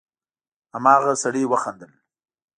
هماغه سړي وخندل: